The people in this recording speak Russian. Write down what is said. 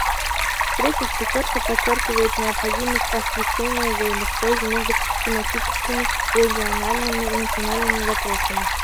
В-третьих, «пятерка» подчеркивает необходимость освещения взаимосвязи между тематическими, региональными и национальными вопросами.